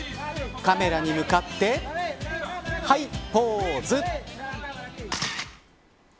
カメラに向かってはい、ポーズ。